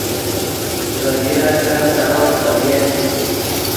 ڤے بیراکف سارو خبۡیت